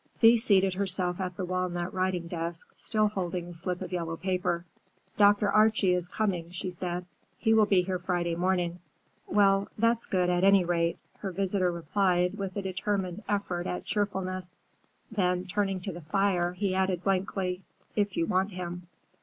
Thea seated herself at the walnut writing desk, still holding the slip of yellow paper. "Dr. Archie is coming," she said. "He will be here Friday morning." "Well, that's good, at any rate," her visitor replied with a determined effort at cheerfulness. Then, turning to the fire, he added blankly, "If you want him."